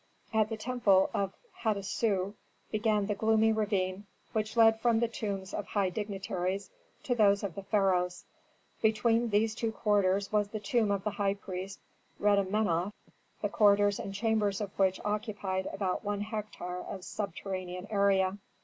At the temple of Hatasu began the gloomy ravine which led from the tombs of high dignitaries to those of the pharaohs. Between these two quarters was the tomb of the high priest Retemenof, the corridors and chambers of which occupied about one hectare of subterranean area.